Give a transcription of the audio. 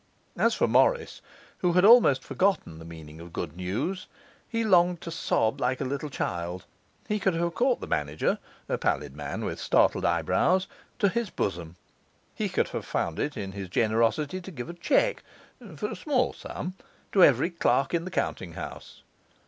As for Morris, who had almost forgotten the meaning of good news, he longed to sob like a little child; he could have caught the manager (a pallid man with startled eyebrows) to his bosom; he could have found it in his generosity to give a cheque (for a small sum) to every clerk in the counting house.